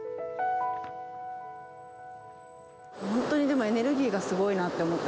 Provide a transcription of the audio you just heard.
本当に、でもエネルギーがすごいなと思って。